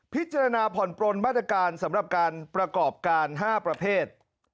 พิจารณาผ่อนปลนมาตรการสำหรับการประกอบการ๕ประเภท